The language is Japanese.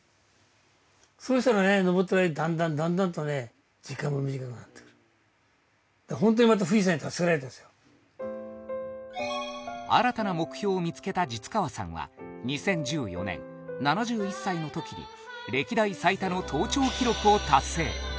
そうしたらね登ってる間だんだんだんだんとね時間も短くなってくる新たな目標を見つけた實川さんは２０１４年７１歳の時に歴代最多の登頂記録を達成